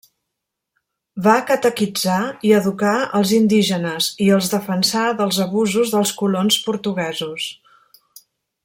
Va catequitzar i educar els indígenes, i els defensà dels abusos dels colons portuguesos.